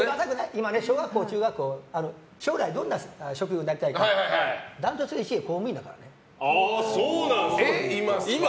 今、小学校、中学校で将来、どんな職業になりたいか断トツの１位は公務員だからね。